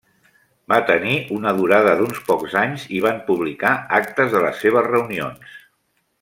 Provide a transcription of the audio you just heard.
Va tenir una durada d'uns pocs anys i van publicar actes de les seves reunions.